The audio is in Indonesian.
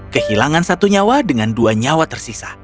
kehilangan satu nyawa dengan dua nyawa tersisa